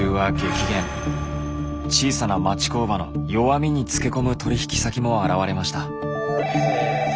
小さな町工場の弱みにつけ込む取引先も現れました。